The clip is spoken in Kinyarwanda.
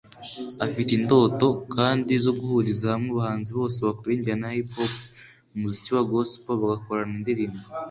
Afite indoto kandi zo guhuriza hamwe abahanzi bose bakora injyana ya Hiphop mu muziki wa Gospel bagakorana indirimbo